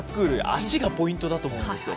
足がポイントだと思うんですよ。